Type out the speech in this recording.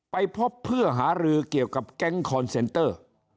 ไปพบเพื่อหารือเกี่ยวกับแก๊งคอนเซนเตอร์